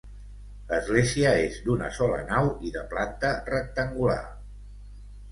L'església és d'una sola nau i de planta rectangular.